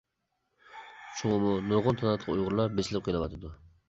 شۇڭىمۇ نۇرغۇن تالانتلىق ئۇيغۇرلار بېسىلىپ قېلىۋاتىدۇ.